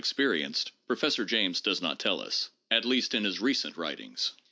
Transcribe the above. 267 perienced, Professor James does not tell us, at least in his recent writings.